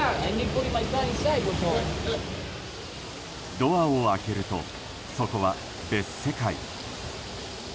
ドアを開けるとそこは別世界。